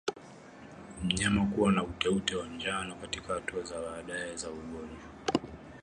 Mnyama kuwa na uteute wa njano katika hatua za baadaye za ugonjwa